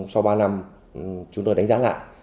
sau ba năm chúng tôi đánh giá lại